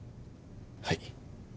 はい。